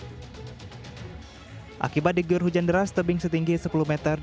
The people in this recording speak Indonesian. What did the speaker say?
di kabupaten pasuruan terbawa arus sungai yang deras pada kamis sore lalu